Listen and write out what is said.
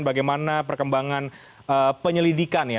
bagaimana perkembangan penyelidikan ya